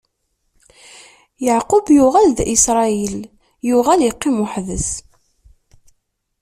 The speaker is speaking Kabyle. Yeɛqub yuɣal d Isṛayil, yuɣal iqqim weḥd-s.